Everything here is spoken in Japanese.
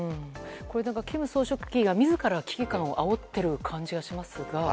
これ、金総書記が自ら危機感をあおっている感じがしますが。